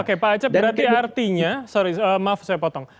oke pak acep berarti artinya sorry maaf saya potong